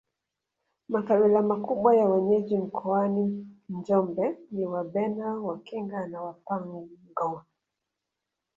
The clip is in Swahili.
Makabila makubwa ya wenyeji mkoani Njombe ni Wabena Wakinga na Wapangwa